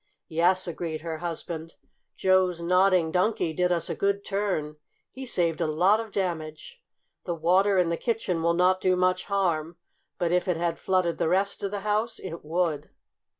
"Yes," agreed her husband. "Joe's Nodding Donkey did us a good turn. He saved a lot of damage. The water in the kitchen will not do much harm, but if it had flooded the rest of the house it would."